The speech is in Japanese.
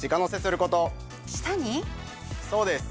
そうです。